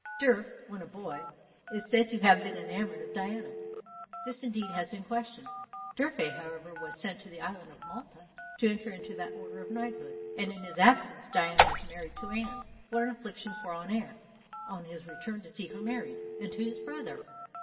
D'Urfé, when a boy, is said to have been enamoured of Diana; this indeed has been questioned. D'Urfé, however, was sent to the island of Malta to enter into that order of knighthood; and in his absence Diana was married to Anne. What an affliction for Honoré on his return to see her married, and to his brother!